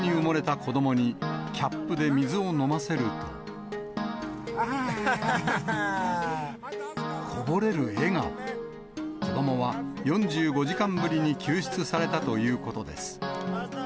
子どもは４５時間ぶりに救出されたということです。